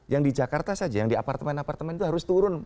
yang di jakarta saja yang di apartemen apartemen itu harus turun